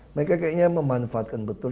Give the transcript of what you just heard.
mereka kayaknya memanfaatkan betul